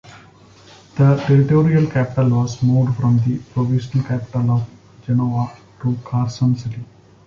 The territorial capital was moved from the provisional capital of Genoa to Carson City.